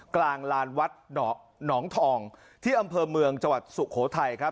กลางลานวัดหนองทองที่อำเภอเมืองจังหวัดสุโขทัยครับ